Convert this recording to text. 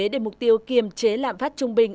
để mục tiêu kiềm chế lạm phát trung bình